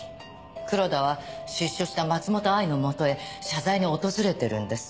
黒田は出所した松本藍のもとへ謝罪に訪れてるんです。